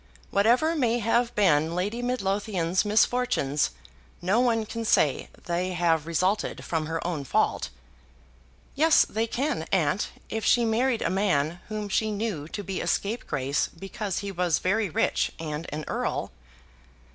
"Whatever may have been Lady Midlothian's misfortunes no one can say they have resulted from her own fault." "Yes they can, aunt, if she married a man whom she knew to be a scapegrace because he was very rich and an earl."